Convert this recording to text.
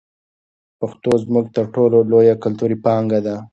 پښتو زموږ تر ټولو لویه کلتوري پانګه ده.